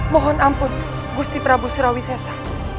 mohon ampun gusti prabu surawisesa